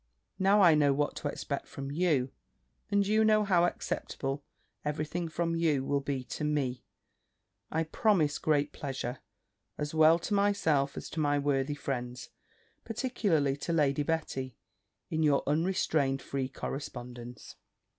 Now I know what to expect from you, and you know how acceptable every thing from you will be to me, I promise great pleasure, as well to myself as to my worthy friends, particularly to Lady Betty, in your unrestrained free correspondence.